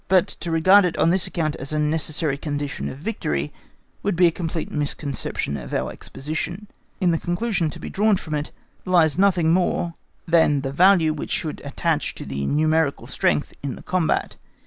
But to regard it on this account as a necessary condition of victory would be a complete misconception of our exposition; in the conclusion to be drawn from it there lies nothing more than the value which should attach to numerical strength in the combat.